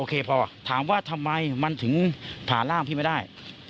พอถามว่าทำไมมันถึงผ่าร่างพี่ไม่ได้